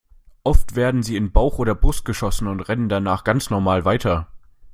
Oft werden sie in Bauch oder Brust geschossen und rennen danach ganz normal weiter.